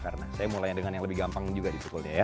karena saya mulai dengan yang lebih gampang juga dipukulnya ya